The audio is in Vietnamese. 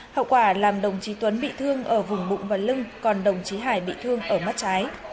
hậu quả làm đồng chí tuấn bị thương ở vùng bụng và lưng còn đồng chí hải bị thương ở mắt trái